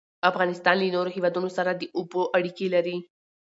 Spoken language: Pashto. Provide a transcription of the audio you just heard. افغانستان له نورو هیوادونو سره د اوبو اړیکې لري.